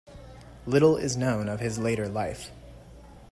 Little is known of his later life.